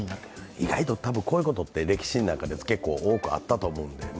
意外とこういうことって歴史の中で多くあったと思う。